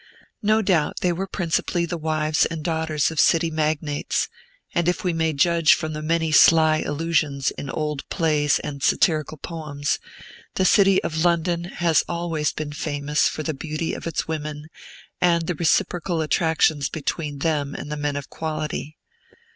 No doubt, they were principally the wives and daughters of city magnates; and if we may judge from the many sly allusions in old plays and satirical poems, the city of London has always been famous for the beauty of its women and the reciprocal attractions between them and the men of quality.